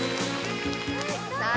さあ